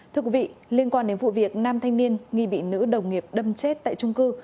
thưa quý vị liên quan đến vụ việc năm thanh niên nghi bị nữ đồng nghiệp đâm chết tại trung cư